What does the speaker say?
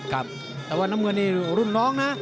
ครับแต่ว่าน้ำเงินนี่รุ่นน้องนะ